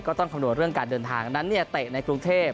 ต้องคำนวณเรื่องการเดินทางดังนั้นเนี่ยเตะในกรุงเทพ